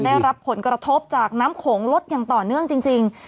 ได้รับผลกระทบจากน้ำโขงลดอย่างต่อเนื่องจริง